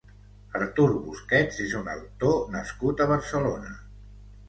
Artur Busquets és un actor nascut a Barcelona.